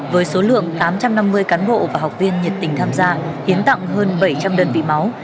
với số lượng tám trăm năm mươi cán bộ và học viên nhiệt tình tham gia hiến tặng hơn bảy trăm linh đơn vị máu